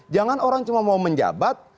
jangan orang cuma mau menjabat